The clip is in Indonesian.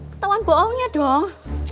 ketauan bohongnya dong